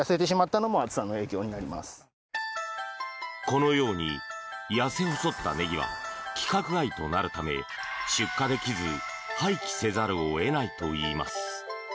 このように痩せ細ったネギは規格外となるため出荷できず廃棄せざるを得ないといいます。